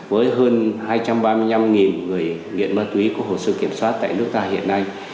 với hơn hai trăm ba mươi năm người nghiện ma túy có hồ sơ kiểm soát tại nước ta